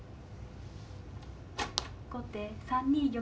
後手３二玉。